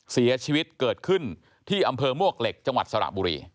เสียชีวิตเกิดขึ้นที่อำเภอมวกเหล็กจังหวัดสระบุรี